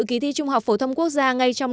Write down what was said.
kỳ thi trung học phổ thông quốc gia ngay trong